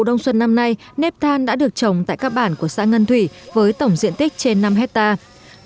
đông xuân năm nay nếp than đã được trồng tại các bản của xã ngân thủy với tổng diện tích trên năm hectare